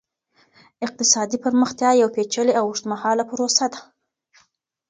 اقتصادي پرمختيا يوه پېچلې او اوږدمهاله پروسه ده.